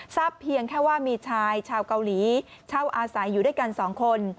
เพียงแค่ว่ามีชายชาวเกาหลีเช่าอาศัยอยู่ด้วยกัน๒คน